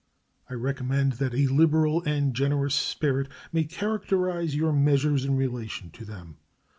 I recommend that a liberal and generous spirit may characterize your measures in relation to them.